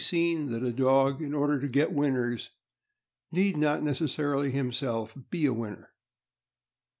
seen that a dog, in order to get winners, need not neces xsarily be himself a winner.